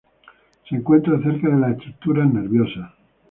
Se encuentra cerca de las estructuras nerviosas.